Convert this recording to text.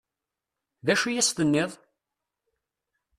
D acu i as-tenniḍ?